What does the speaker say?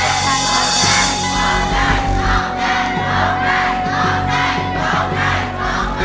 ไม่ใช้